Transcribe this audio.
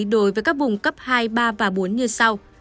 đối với các vùng cấp hai ba và bốn như sau